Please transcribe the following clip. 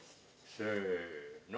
せの！